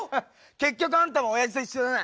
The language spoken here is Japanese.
結局あんたもオヤジと一緒だな。